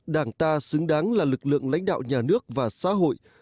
đảng ta xứng đáng là lực lượng lãnh đạo nhà nước và xã hội